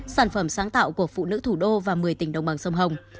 sản phẩm sáng tạo của phụ nữ thủ đô và một mươi tỉnh đồng bằng sông hồng